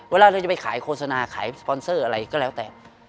เวลาเราจะไปขายโฆษณาขายสปอนเซอร์อะไรก็แล้วแต่